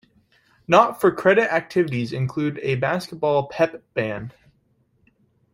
Not for credit activities include a basketball pep-band.